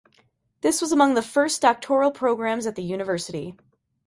This was among the first doctoral programs at the university.